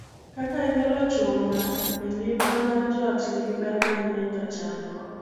Kaka igolo chuma: A. Ngima mar joot nigi ber mang'eny, to chandruok